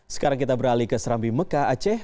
sekarang kita beralih ke serambi mekah aceh